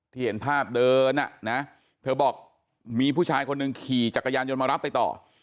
เห็นภาพเดินอ่ะนะเธอบอกมีผู้ชายคนหนึ่งขี่จักรยานยนต์มารับไปต่อ